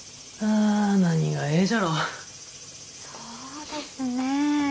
そうですねえ。